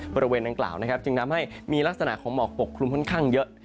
บริเวณดังกล่าวนะครับจึงทำให้มีลักษณะของหมอกปกคลุมค่อนข้างเยอะ